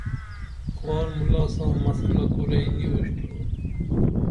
خوار مَولاساں مسلہ کورئی نی اُشترونُن